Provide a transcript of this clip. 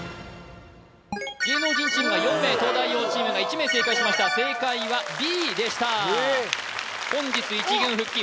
芸能人チームが４名東大王チームが１名正解しました正解はＢでした本日１軍復帰